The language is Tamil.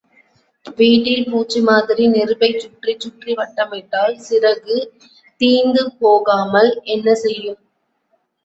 விட்டில் பூச்சி மாதிரி நெருப்பைச் சுற்றிச் சுற்றி வட்டமிட்டால் சிறகு தீய்ந்து போகாமல் என்ன செய்யும்?